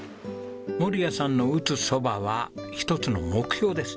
守屋さんの打つ蕎麦は一つの目標です。